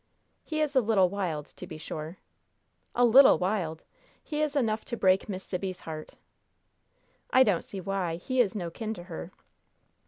"He is a little wild, to be sure." "'A little wild!' He is enough to break Miss Sibby's heart!" "I don't see why. He is no kin to her."